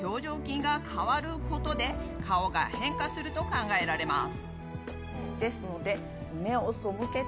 ことで顔が変化すると考えられます。